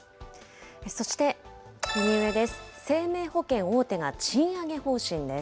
そして右上です。